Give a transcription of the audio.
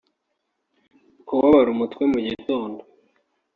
kubabara umutwe mu gitondo